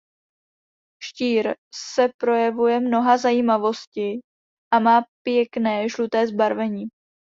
Štír se projevuje mnoha zajímavosti a má pěkné žluté zbarvení.